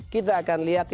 kita akan lihat